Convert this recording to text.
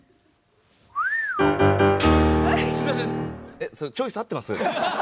えそれチョイス合ってます？